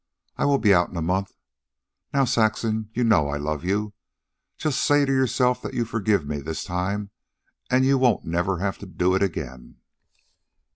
I will be out in a month. Now, Saxon, you know I love you, and just say to yourself that you forgive me this time, and you won't never have to do it again.